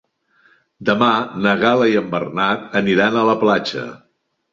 Demà na Gal·la i en Bernat aniran a la platja.